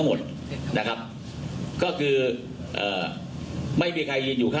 นะครับผมก็ต้องให้การว่าเขาให้การขัดแย้งข้อเรียกจริงนะครับ